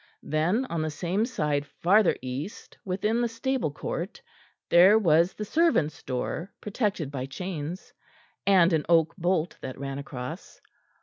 Then on the same side farther east, within the stable court, there was the servants' door, protected by chains, and an oak bolt that ran across.